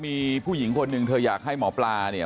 มีผู้หญิงคนหนึ่งเธออยากให้หมอปลาเนี่ย